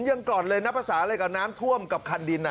ยังก่อนเลยนะภาษาอะไรกับน้ำท่วมกับคันดิน